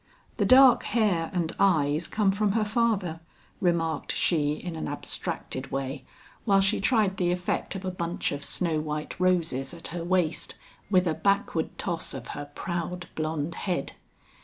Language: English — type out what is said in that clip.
"The dark hair and eyes come from her father," remarked she in an abstracted way while she tried the effect of a bunch of snow white roses at her waist with a backward toss of her proud blonde head.